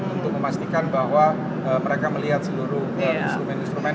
untuk memastikan bahwa mereka melihat seluruh instrumen instrumen